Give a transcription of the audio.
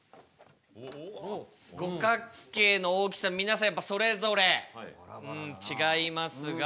五角形の大きさ皆さんやっぱそれぞれ違いますが。